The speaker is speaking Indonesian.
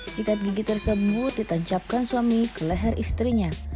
sikat gigi tersebut ditancapkan suami ke leher istrinya